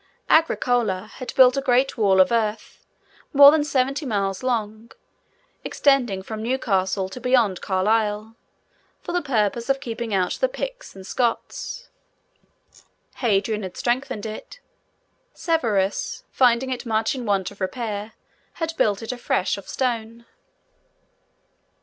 Agricola had built a great wall of earth, more than seventy miles long, extending from Newcastle to beyond Carlisle, for the purpose of keeping out the Picts and Scots; Hadrian had strengthened it; Severus, finding it much in want of repair, had built it afresh of stone.